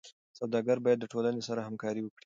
سوداګر باید د ټولنې سره همکاري وکړي.